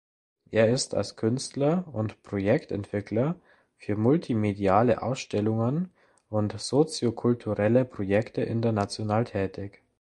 Er ist als Künstler und Projektentwickler für multimediale Ausstellungen und soziokulturelle Projekte international tätig.